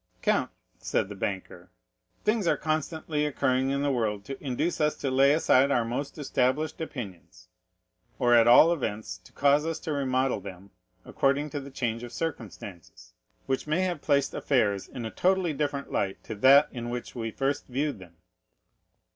"Count," said the banker, "things are constantly occurring in the world to induce us to lay aside our most established opinions, or at all events to cause us to remodel them according to the change of circumstances, which may have placed affairs in a totally different light to that in which we at first viewed them."